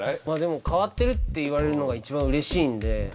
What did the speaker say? まあでも「変わってる」って言われるのが一番うれしいんで。